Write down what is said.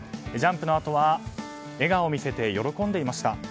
ジャンプのあとは笑顔を見せて喜んでいました。